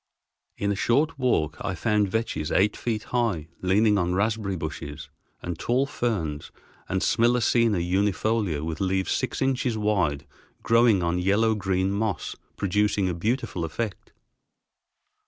In a short walk I found vetches eight feet high leaning on raspberry bushes, and tall ferns and Smilacina unifolia with leaves six inches wide growing on yellow green moss, producing a beautiful effect.